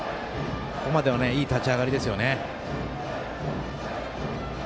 ここまではいい立ち上がりです。